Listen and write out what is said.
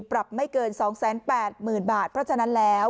ปรับไม่เกินสองแสนแปดหมื่นบาทเพราะฉะนั้นแล้ว